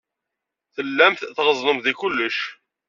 Tellamt tɣeẓnemt deg kullec.